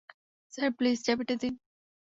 Sir, please চাবিটা দিন।